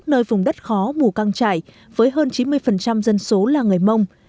nơi vùng đất khó mù căng trải với hơn chín mươi dân số là người mông